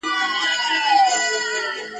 هم غړومبی دی له اسمانه هم له مځکي !.